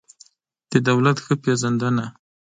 د دولت ښه پېژندنه